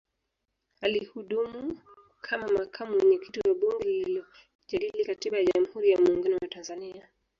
Alihudumu kama Makamu Mwenyekiti wa Bunge lililojadili Katiba ya Jamhuri ya Muungano wa Tanzania